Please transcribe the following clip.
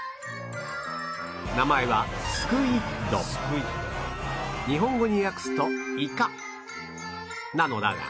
名前は日本語に訳すと「イカ」なのだが